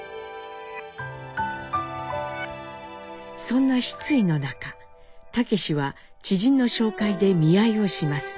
そんな失意の中武は知人の紹介で見合いをします。